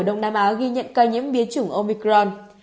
đông nam á ghi nhận ca nhiễm biến chủng omicron